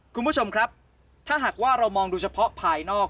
คุณผู้ชมครับถ้าหากว่าเรามองดูเฉพาะภายนอก